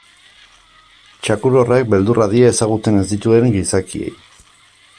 Txakur horrek beldurra die ezagutzen ez dituen gizakiei.